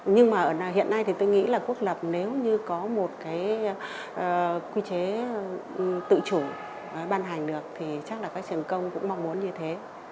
nhưng mà hiện nay thì tôi nghĩ là quốc lập nếu như có một cái quy chế tự chủ ban hành được thì chắc là các trường công cũng mong muốn như thế